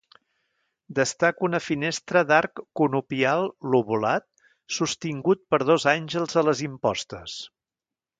Destaca una finestra d'arc conopial lobulat sostingut per dos àngels a les impostes.